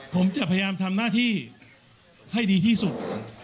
ผมจะพยายามทำหน้าที่ให้ดีที่สุด